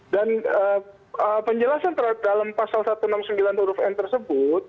dan penjelasan terhadap pasal satu ratus enam puluh sembilan huruf n tersebut